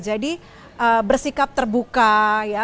jadi bersikap terbuka ya